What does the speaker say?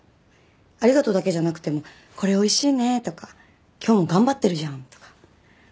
「ありがとう」だけじゃなくても「これ美味しいね」とか「今日も頑張ってるじゃん」とか。